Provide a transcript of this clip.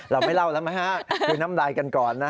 เราไม่เล่าแล้วนะคือนำลายกันก่อนนะฮะ